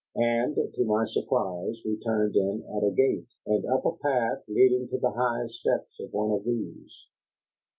And to my surprise we turned in at a gate, and up a path leading to the high steps of one of these.